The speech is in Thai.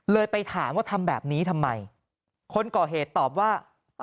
ไปถามว่าทำแบบนี้ทำไมคนก่อเหตุตอบว่า